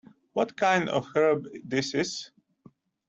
What kind of herb this is?